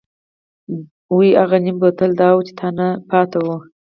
وۍ اغه نيم بوتل دوا چې تانه پاتې وه.